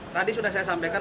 tadi sudah saya sampaikan